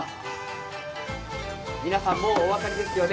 皆さん、もうお分かりですよね